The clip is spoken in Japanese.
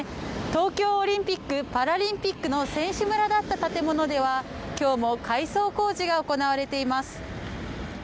東京オリンピック・パラリンピックの選手村だった建物では、今日も改装工事が行われています。